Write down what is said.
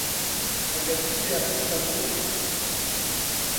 ئەگەر پچیە ئەستەمبول